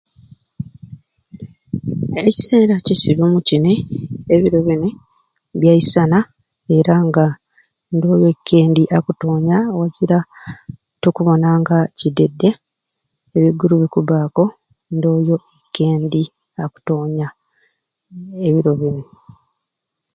Ebiseera kitulimu kini ebiro bini bya isana era nga ndooyo ikendi akutoonya wazira tukubona nga kiddedde ebiiguru bikubbaaku ndooyo ikendi akutoonya ebiro bini.